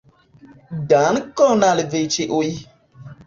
Dankon al Vi Ĉiuj!